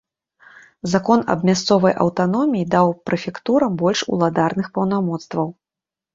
Закон аб мясцовай аўтаноміі даў прэфектурам больш уладарных паўнамоцтваў.